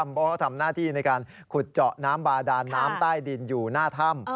เพราะเขาทำหน้าที่ในการขุดเจาะน้ำบาดานน้ำใต้ดินอยู่หน้าถ้ำ